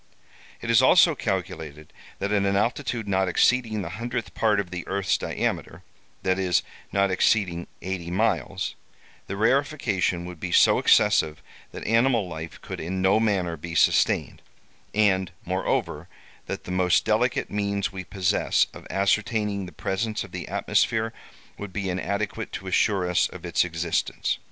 It is also calculated that at an altitude not exceeding the hundredth part of the earth's diameter—that is, not exceeding eighty miles—the rarefaction would be so excessive that animal life could in no manner be sustained, and, moreover, that the most delicate means we possess of ascertaining the presence of the atmosphere would be inadequate to assure us of its existence.